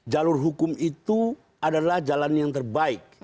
jalur hukum itu adalah jalan yang terbaik